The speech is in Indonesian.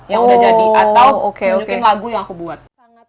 yang udah jadi atau nunjukin lagu yang aku buat